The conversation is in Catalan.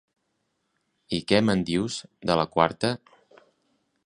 I què me'n dius, de la quarta?